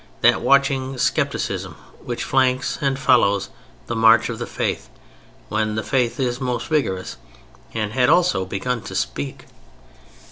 That watching skepticism which flanks and follows the march of the Faith when the Faith is most vigorous had also begun to speak.